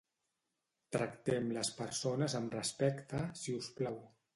Tractem les persones amb respecte, siusplau.